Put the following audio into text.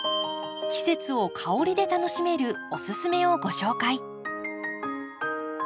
季節を香りで楽しめるおすすめをご紹介。